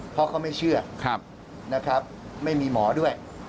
เพราะเขาไม่เชื่อนะครับไม่มีหมอด้วย